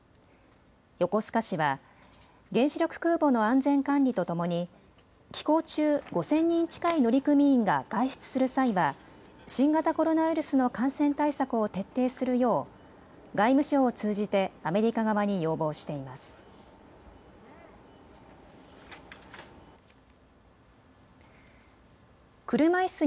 横須賀市は原子力空母の安全管理とともに寄港中、５０００人近い乗組員が外出する際は新型コロナウイルスの感染対策を徹底するよう外務省を通じてアメリカ側に要望しています。